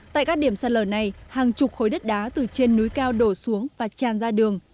tại các điểm sạt lở này hàng chục khối đất đá từ trên núi cao đổ xuống và tràn ra đường